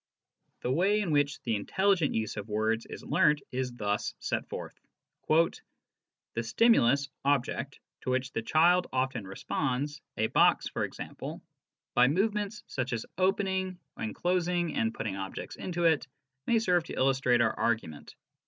The way in which the intelligent use of words is learnt is thus set forth :" The stimulus (object) to which the child often responds, a box, e.g., by movements such as opening and closing and putting objects into it, may serve to illustrate our argument.